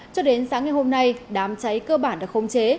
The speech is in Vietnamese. cho đến sáng ngày hôm nay đám cháy cơ bản được khống chế